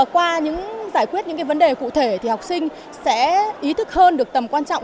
qua những giải quyết những vấn đề cụ thể thì học sinh sẽ ý thức hơn được tầm quan trọng